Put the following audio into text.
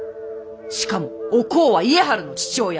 しかもお幸は家治の父親！